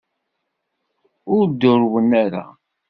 Ur d-urwen ara.